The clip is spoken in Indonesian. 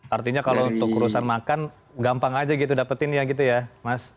artinya kalau untuk urusan makan gampang aja gitu dapetin ya gitu ya mas